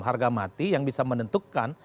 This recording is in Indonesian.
harga mati yang bisa menentukan